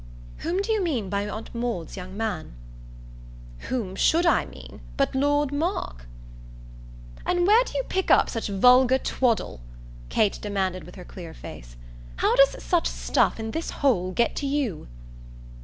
"Whom do you mean by Aunt Maud's young man?" "Whom should I mean but Lord Mark?" "And where do you pick up such vulgar twaddle?" Kate demanded with her clear face. "How does such stuff, in this hole, get to you?"